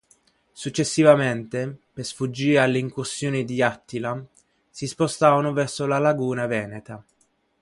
Successivamente, per sfuggire alle incursioni di Attila, si spostarono verso la laguna veneta.